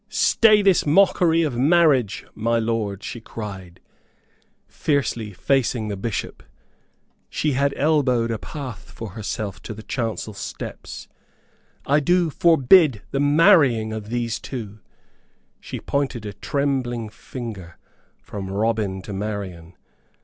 "Stay this mockery of marriage, my lord," she cried, fiercely facing the Bishop. She had elbowed a path for herself to the chancel steps. "I do forbid the marrying of these two." She pointed a trembling finger from Robin to Marian.